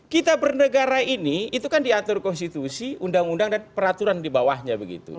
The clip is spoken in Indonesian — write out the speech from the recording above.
kita bernegara ini itu kan diatur konstitusi undang undang dan peraturan di bawahnya begitu